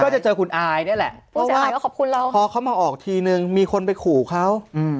เพราะว่าพอเขามาออกทีนึงมีคนไปขู่เขา